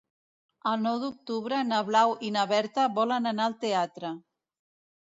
El nou d'octubre na Blau i na Berta volen anar al teatre.